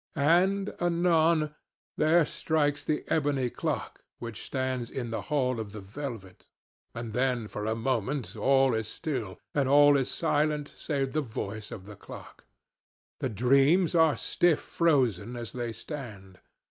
And, anon, there strikes the ebony clock which stands in the hall of the velvet. And then, for a moment, all is still, and all is silent save the voice of the clock. The dreams are stiff frozen as they stand.